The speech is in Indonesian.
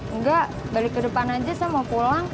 enggak balik ke depan aja sama pulang